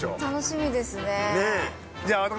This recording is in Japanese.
楽しみですね。